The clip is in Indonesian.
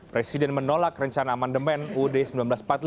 presiden menolak rencana amandemen uud seribu sembilan ratus empat puluh lima